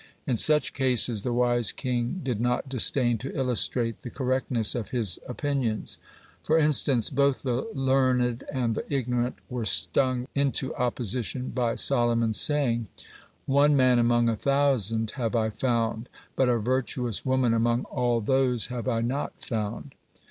In such cases, the wise king did not disdain to illustrate the correctness of his opinions. For instance, both the learned and the ignorant were stung into opposition by Solomon's saying: "One man among a thousand have I found; but a virtuous woman among all those have I not found."